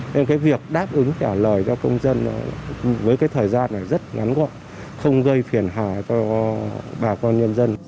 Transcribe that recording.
nên cái việc đáp ứng trả lời cho công dân với cái thời gian này rất ngắn gọn không gây phiền hà cho bà con nhân dân